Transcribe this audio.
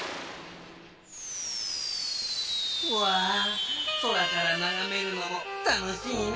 うわそらからながめるのもたのしいね。